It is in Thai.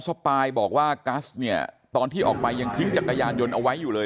สปายบอกว่ากัสเนี่ยตอนที่ออกไปยังทิ้งจักรยานยนต์เอาไว้อยู่เลย